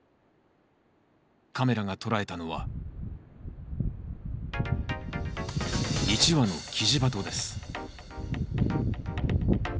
カメラが捉えたのは一羽のキジバトです